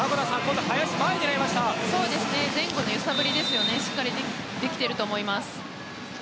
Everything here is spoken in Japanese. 前後の揺さぶりしっかりできていると思います。